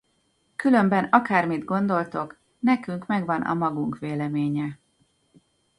Különben akármit gondoltok, nekünk megvan a magunk véleménye.